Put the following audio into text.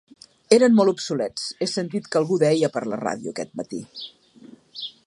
Eren molt obsolets, he sentit que algú deia per la ràdio aquest matí.